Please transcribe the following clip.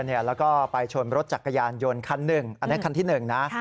แล้วก็ไปชนรถจักรยานยนต์คันหนึ่งอันนี้คันที่๑นะ